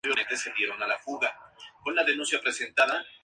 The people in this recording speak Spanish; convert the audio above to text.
Los hoteles de Tainan ofrecieron gratuitamente sus habitaciones a los afectados.